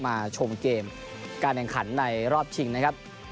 ชมเกมการแข่งขันในรอบชิงนะครับ